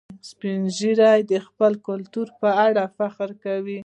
سپین ږیری د خپل کلتور په اړه فخر کوي